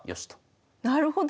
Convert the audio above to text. なるほど。